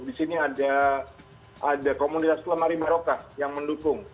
di sini ada komunitas lemari maroka yang mendukung